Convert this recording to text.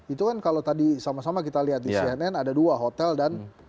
itu kan kalau tadi sama sama kita lihat di cnn ada dua hotel dan